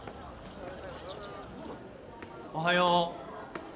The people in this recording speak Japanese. おはよう。